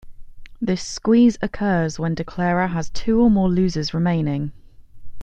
This squeeze occurs when declarer has two or more losers remaining.